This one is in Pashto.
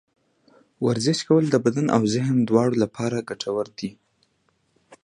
ورزش کول د بدن او ذهن دواړه لپاره ګټور دي.